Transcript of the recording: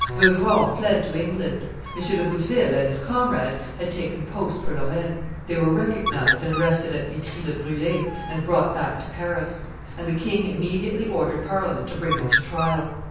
Beuvron fled to England. M. de Bouteville and his comrade had taken post for Lorraine; they were recognized and arrested at Vitry le Brule and brought back to Paris; and the king immediately ordered Parliament to bring them to trial.